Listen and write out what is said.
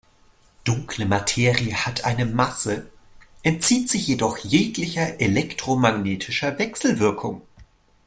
Dunkle Materie hat eine Masse, entzieht sich jedoch jeglicher elektromagnetischer Wechselwirkung.